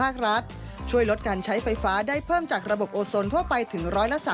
การใช้ไฟฟ้าได้เพิ่มจากระบบโอโซนพ่อไปถึง๑๓๓